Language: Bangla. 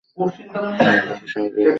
লাইভ লোকেশন এই জায়গাটা দেখাচ্ছে।